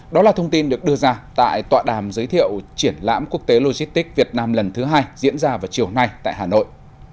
đó là thông tin được đưa ra tại tọa đàm giới thiệu triển lãm quốc tế logistics việt nam lần thứ hai diễn ra vào chiều nay tại hà nội